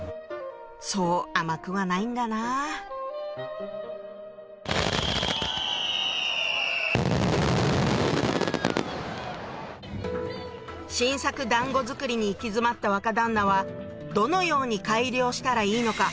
そう甘くはないんだな新作だんご作りに行き詰まった若旦那はどのように改良したらいいのか